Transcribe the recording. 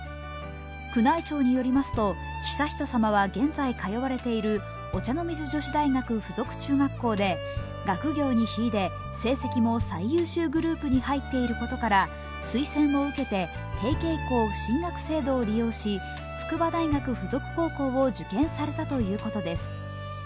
宮内庁によりますと悠仁さまは現在通われているお茶の水女子大学附属中学校で、学業に秀で、成績も最優秀グループに入っていることから推薦を受けて、提携校進学制度を利用し、筑波大学附属高校を受験されたということです。